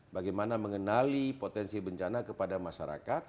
bagaimana mengenali potensi bencana kepada masyarakat